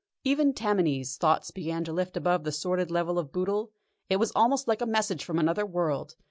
Even Tammany's thoughts began to lift above the sordid level of boodle. It was almost like a message from another world.